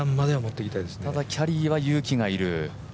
ただ、キャリーは勇気が要る。